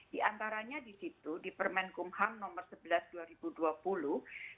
di antaranya di situ di permen kumham nomor sebelas dua ribu dua puluh